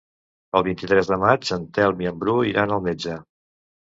El vint-i-tres de maig en Telm i en Bru iran al metge.